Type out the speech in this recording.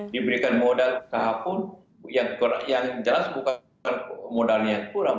diberikan modal tahapan yang jelas bukan modalnya yang kurang